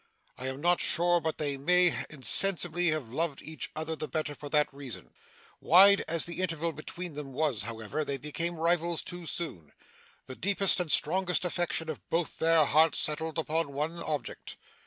I am not sure but they may insensibly have loved each other the better for that reason. Wide as the interval between them was, however, they became rivals too soon. The deepest and strongest affection of both their hearts settled upon one object.